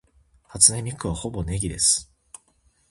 初音ミクはほぼネギです